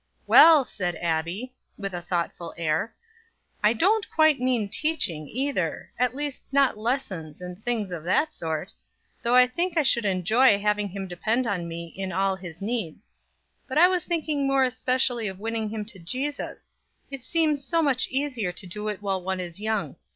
"Well," said Abbie, with a thoughtful air, "I don't quite mean teaching, either; at least not lessons and things of that sort, though I think I should enjoy having him depend on me in all his needs; but I was thinking more especially of winning him to Jesus; it seems so much easier to do it while one is young.